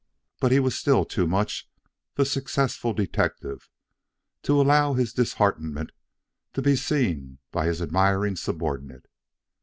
But he was still too much the successful detective to allow his disheartenment to be seen by his admiring subordinate.